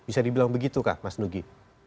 bisa dibilang begitu kah mas nugi